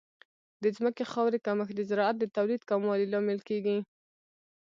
د ځمکې خاورې کمښت د زراعت د تولید کموالی لامل کیږي.